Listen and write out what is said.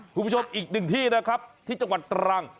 คุณผู้ชมอีกหนึ่งที่นะครับที่จังหวัดตรัง